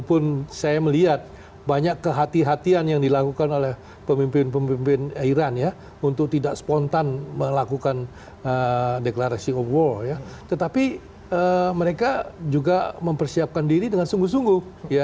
pemerintah iran berjanji akan membalas serangan amerika yang tersebut